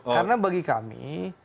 karena bagi kami